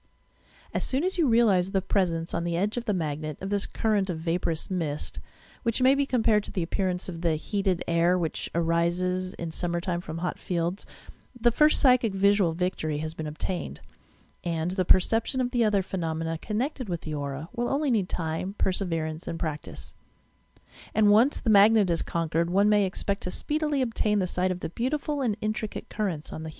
As soon as you realize the presence on the edge of the magnet, of this current of vaporous mist, — which may be compared to the appearance of the heated air which arises in summertime from hot fields, — the first psychic visual victory has been obtained, and the perception of the other phenomena connected with the aura will only need time, perseverance and practice: and, once the magnet is conquered, one may expect to speedily obtain the sight of the beautiful and intricate currenta on the human body.